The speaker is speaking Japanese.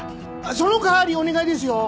その代わりお願いですよ。